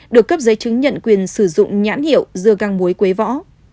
và cấp giấy chứng nhận quyền sử dụng nhãn hiệu dưa găng muối quế võ